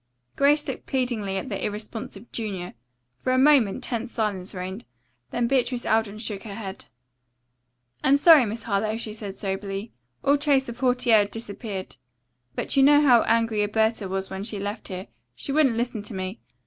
Grace looked pleadingly at the irresponsive junior. For a moment tense silence reigned. Then Beatrice Alden shook her head. "I'm sorry, Miss Harlowe," she said soberly. All trace of hauteur had disappeared. "But you know how angry Alberta was when she left here. She wouldn't listen to me.